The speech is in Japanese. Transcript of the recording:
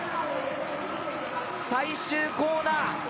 最終コーナー